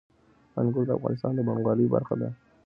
انګور د افغانستان د بڼوالۍ برخه ده.